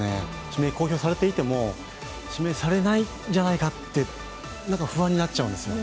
指名公表されていても、指名されないんじゃないかと不安になっちゃうんですよ。